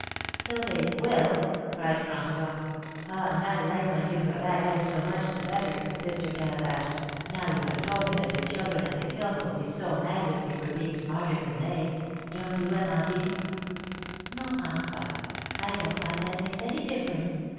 "So they will," cried François. "Ah, and I like my new cravat ever so much the better, Sister Calabash, now you have told me that the children at the kilns will be so mad with me for being smarter than they; don't you, Amandine?" "No, François, I don't find that makes any difference.